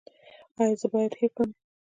ایا زه باید هیر کړم؟